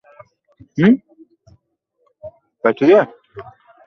না, ব্যাপারটা খুবই বিপজ্জনক।